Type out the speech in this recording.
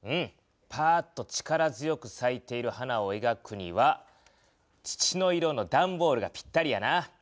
パーッと力強くさいている花をえがくには土の色のだんボールがぴったりやな。